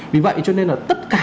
vì vậy cho nên là tất cả